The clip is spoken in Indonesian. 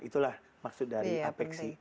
itulah maksud dari apexi